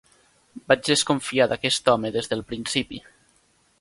Vaig desconfiar d'aquest home des del principi.